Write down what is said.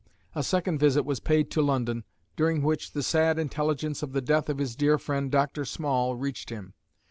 A second visit was paid to London, during which the sad intelligence of the death of his dear friend, Dr. Small, reached him.